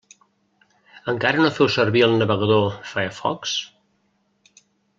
Encara no feu servir el navegador Firefox?